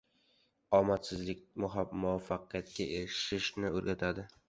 • Omadsizlik muvaffaqiyatga erishishni o‘rgatadi.